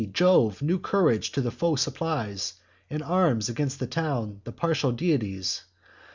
Jove new courage to the foe supplies, And arms against the town the partial deities.